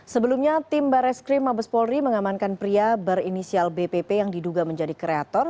sebelumnya tim bareskrim mabes polri mengamankan pria berinisial bpp yang diduga menjadi kreator